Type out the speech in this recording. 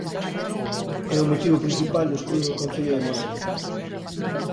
É o motivo principal do escudo do concello de Moraña.